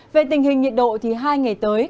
về tình hình nhiệt độ thì hai ngày tới